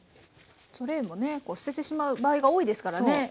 トレイもね捨ててしまう場合が多いですからね。